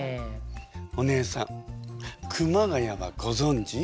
お姉さん熊谷はごぞんじ？